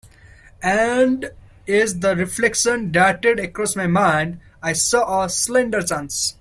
And as the reflection darted across my mind I saw a slender chance.